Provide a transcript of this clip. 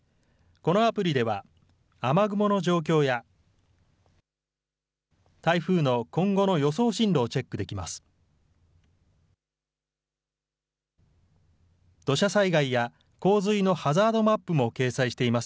このアプリでは雨雲の状況や台風の今後の予想進路をチェックできます。